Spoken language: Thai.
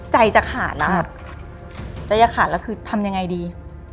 ใจจะขาดแล้วคือทำอย่างไรดี